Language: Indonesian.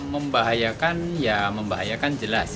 membahayakan ya membahayakan jelas